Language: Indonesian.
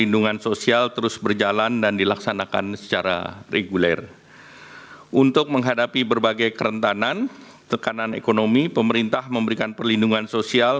dan ini realisasi tujuh lima triliun yang diselenggarkan oleh kementerian sosial